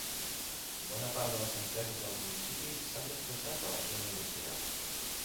Bona part de les empreses del municipi s'han desplaçat a la zona industrial.